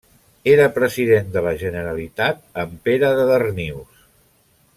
Era President de la Generalitat en Pere de Darnius.